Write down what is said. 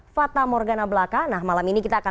fata morgana belaka nah malam ini kita akan